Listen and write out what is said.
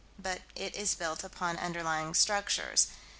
But it is built upon underlying structures.